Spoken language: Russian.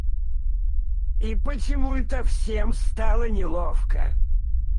И почему-то всем стало неловко.